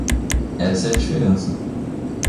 Essa é a diferença.